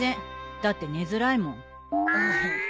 だって寝づらいもん。